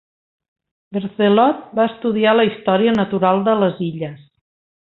Berthelot va estudiar la història natural de les illes.